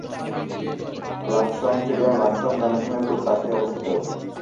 Laksam stadium Laksam junction এর খুব কাছেই অবস্থিত।